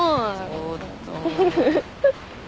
ちょっとー。